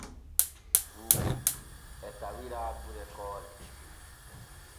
Buubu e tawira gure Koole.